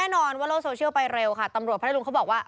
แน่นอนว่าโลกโซเชียลไปเร็วค่ะตำรวจพัทธรุงเขาบอกว่า